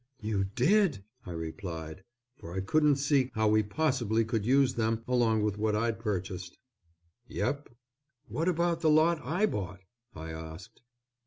"You did!" I replied, for I couldn't see how we possibly could use them along with what I'd purchased. "Yep." "What about the lot I bought?" I asked.